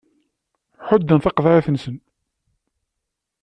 Ḥudden taqeḍɛit-nsen.